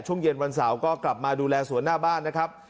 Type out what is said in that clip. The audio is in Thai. ช่วงเย็นวันเสาร์ก็กลับมาดูแลสวนหน้าบ้านนะครับ